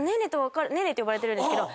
ねえねって呼ばれてるんですけど。